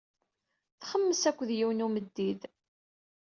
Txemmes akked yiwen n umeddid.